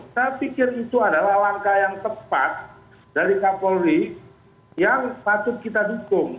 saya pikir itu adalah langkah yang tepat dari kapolri yang patut kita dukung